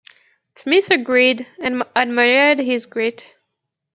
Smith agreed, and "admired his grit".